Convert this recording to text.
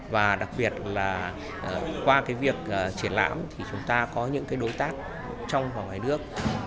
và đặc biệt là qua việc triển lãm thì chúng ta có những đối tác trong và ngoài nước